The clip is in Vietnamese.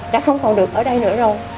đã không còn được ở đây nữa rồi